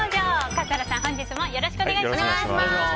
笠原さん、本日もよろしくお願いします。